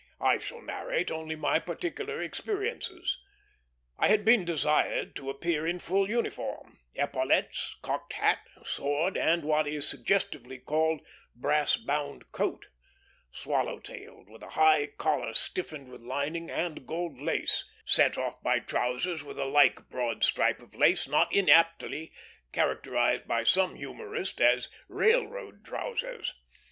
I shall narrate only my particular experiences. I had been desired to appear in full uniform epaulettes, cocked hat, sword, and what is suggestively called "brass bound" coat; swallow tailed, with a high collar stiffened with lining and gold lace, set off by trousers with a like broad stripe of lace, not inaptly characterized by some humorist as "railroad" trousers.